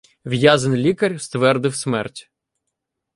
В'язень-лікар ствердив смерть.